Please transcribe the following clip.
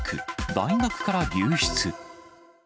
大学から流出。